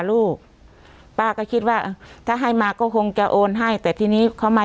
ลูกป้าก็คิดว่าถ้าให้มาก็คงจะโอนให้แต่ทีนี้เขามา